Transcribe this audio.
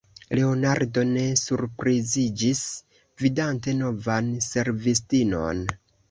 Leonardo ne surpriziĝis, vidante novan servistinon.